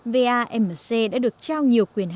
vamc đã được trao nhiều quyền